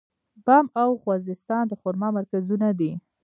بم او خوزستان د خرما مرکزونه دي.